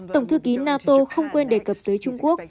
tổng thư ký nato không quên đề cập tới trung quốc